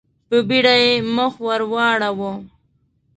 په بېړه يې مخ ور واړاوه.